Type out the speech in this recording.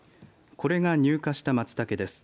これが入荷した、まつたけです。